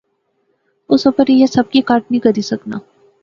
اس اپر ایہہ سب کی کٹ نی کری سکنا